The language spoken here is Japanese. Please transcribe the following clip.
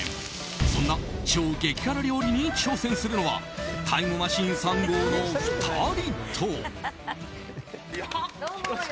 そんな超激辛料理に挑戦するのはタイムマシーン３号の２人と。